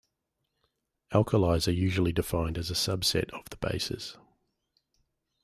Alkalis are usually defined as a subset of the bases.